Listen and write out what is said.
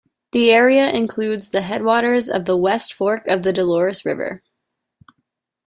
The area includes the headwaters of the west fork of the Dolores River.